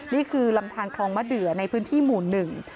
นี่คือลำทานคลองมะเดือในพื้นที่หมู่หนึ่ง